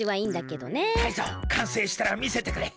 タイゾウかんせいしたらみせてくれ。